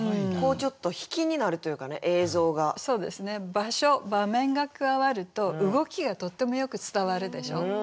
場所場面が加わると動きがとってもよく伝わるでしょ。